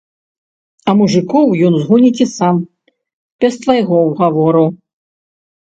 А мужыкоў ён згоніць і сам, без твайго ўгавору.